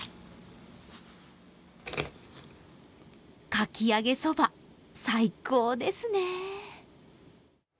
かき揚げそば、最高ですね。